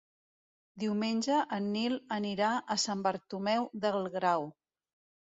Diumenge en Nil anirà a Sant Bartomeu del Grau.